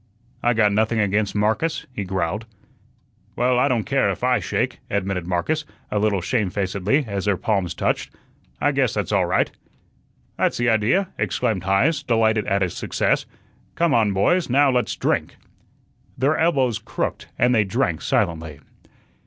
"I got nothing against Marcus," he growled. "Well, I don't care if I shake," admitted Marcus, a little shamefacedly, as their palms touched. "I guess that's all right." "That's the idea," exclaimed Heise, delighted at his success. "Come on, boys, now let's drink." Their elbows crooked and they drank silently.